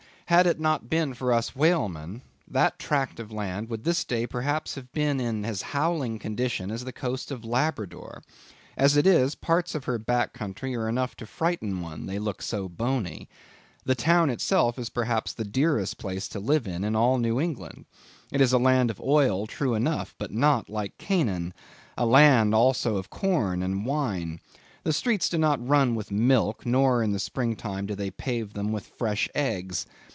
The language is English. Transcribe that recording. Had it not been for us whalemen, that tract of land would this day perhaps have been in as howling condition as the coast of Labrador. As it is, parts of her back country are enough to frighten one, they look so bony. The town itself is perhaps the dearest place to live in, in all New England. It is a land of oil, true enough: but not like Canaan; a land, also, of corn and wine. The streets do not run with milk; nor in the spring time do they pave them with fresh eggs.